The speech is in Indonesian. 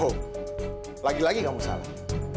oh lagi lagi kamu salah